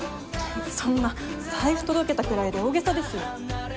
そんな財布届けたくらいで大げさですよ。